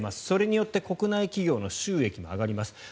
それによって国内企業の収益も増えます。